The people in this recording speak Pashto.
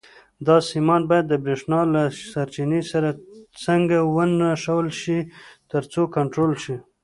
دا سیمان باید د برېښنا له سرچینې سره څنګه ونښلول شي ترڅو کنټرول شي.